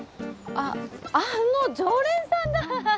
ああの常連さんだぁ！